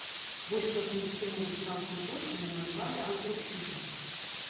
Вось якую схему дастаўкі грошай намалявалі аўтары фільма.